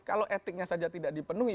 kalau etiknya saja tidak dipenuhi